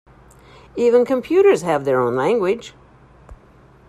Even computers have their own language.